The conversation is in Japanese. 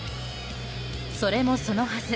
それもそのはず。